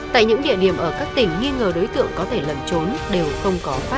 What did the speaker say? tại những địa điểm ở các tỉnh nghi ngờ đối tượng có thể lạc